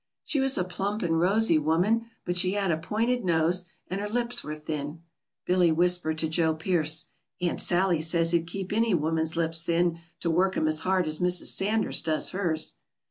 She was a plump and rosy woman; but she had a pointed nose, and her lips were thin. Billy whispered to Joe Pearce, "Aunt Sally says it'd keep any woman's lips thin to work 'em as hard as Mrs. Sanders does hers."